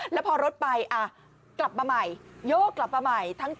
และพอรถไปกลับมาใหม่